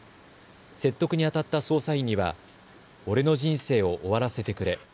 説得にあたった捜査員には俺の人生を終わらせてくれ。